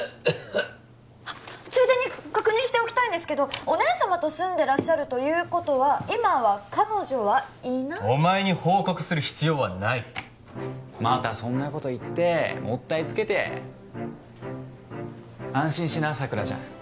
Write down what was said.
あっついでに確認しておきたいんですけどお姉様と住んでらっしゃるということは今は彼女はいないお前に報告する必要はないまたそんなこと言ってもったいつけて安心しな佐倉ちゃん